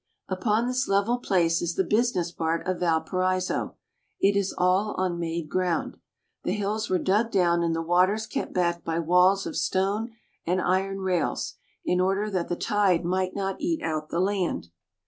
Upon this level place is the business part of Valparaiso. It is all on made ground. The hills were dug down and the waters kept back by walls of stone and iron rails, in order that the tide might not eat out the land.